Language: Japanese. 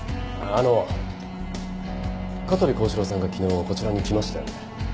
あの香取孝史郎さんが昨日こちらに来ましたよね？